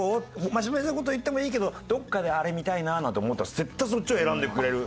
真面目な事言ってもいいけどどこかであれ見たいななんて思ったら絶対そっちを選んでくれる。